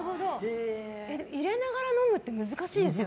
入れながら飲むって難しいですよね。